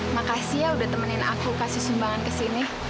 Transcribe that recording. makasih ya udah temenin aku kasih sumbangan ke sini